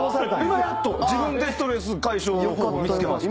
今やっと自分でストレス解消法見つけました。